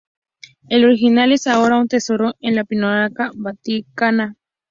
El original es ahora un tesoro en la Pinacoteca Vaticana.